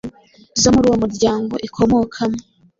zo muri uwo muryango ikomokamo